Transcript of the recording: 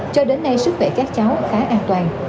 cho đến nay sức khỏe các cháu khá an toàn